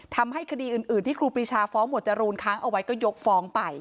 ทำให้คดีอื่นที่ครูปรีชาฟ้องหมวดจรูนค้างเอาไว้ก็ยกฟ้องไป